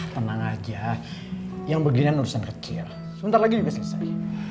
tenang aja yang beginian urusan kecil sebentar lagi juga selesai